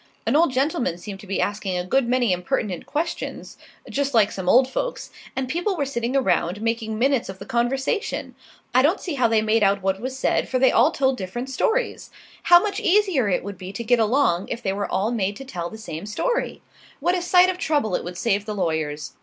An old gentleman seemed to be asking a good many impertinent questions just like some old folks and people were sitting around making minutes of the conversation. I don't see how they made out what was said, for they all told different stories. How much easier it would be to get along if they were all made to tell the same story! What a sight of trouble it would save the lawyers!